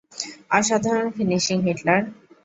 অসাধারণ finishing, Hitler!